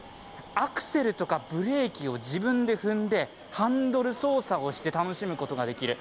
アクセルとかブレーキを自分で踏んで、ハンドル操作をして走ることができる。